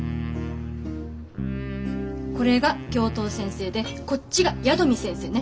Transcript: これが教頭先生でこっちが矢富先生ね。